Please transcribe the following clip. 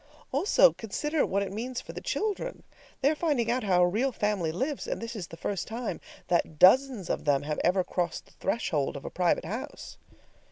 Also, consider what it means for the children. They are finding out how a real family lives, and this is the first time that dozens of them have ever crossed the threshold of a private house.